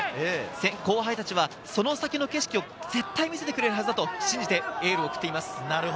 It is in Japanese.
後輩達はその先の景色を絶対見せてくれるはずだと信じて、エールを送っています。